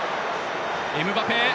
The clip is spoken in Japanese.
エムバペ！